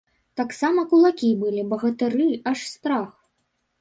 Таксама кулакі былі, багатыры, аж страх.